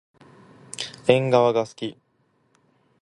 えんがわがすき。